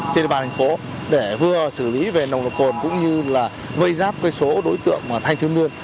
trên địa bàn thành phố để vừa xử lý về nồng vật cột cũng như là vây giáp cây số đối tượng thanh thương đơn